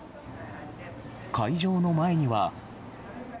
会場の前には。